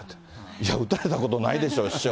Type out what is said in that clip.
いや、打たれたことないでしょ、師匠。